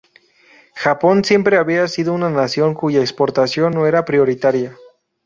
Japón siempre había sido una nación cuya exportación no era prioritaria.